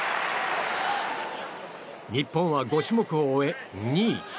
日本は５種目を終え２位。